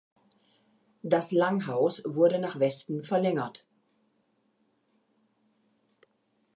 Das Langhaus wurde nach Westen verlängert.